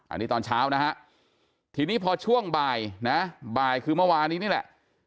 อันนี้ตอนเช้านะฮะทีนี้พอช่วงบ่ายนะบ่ายคือเมื่อวานนี้นี่แหละ